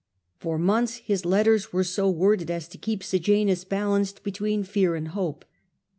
For months his letters were so worded as to keep Sejanus balanced between fear and hope.